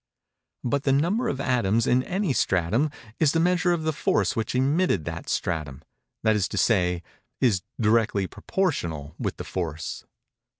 But the number of atoms in any stratum is the measure of the force which emitted that stratum—that is to say, is directly proportional with the force.